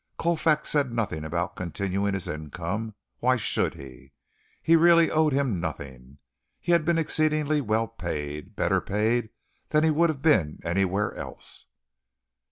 Colfax said nothing about continuing his income why should he? He really owed him nothing. He had been exceedingly well paid better paid than he would have been anywhere else.